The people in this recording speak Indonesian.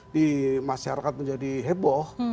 di masyarakat menjadi heboh